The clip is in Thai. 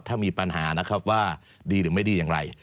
ถ้ามีปัญหานะครับว่าดีหรือไม่ดีอย่างไร